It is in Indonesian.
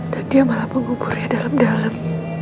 dan dia malah menguburnya dalam dalam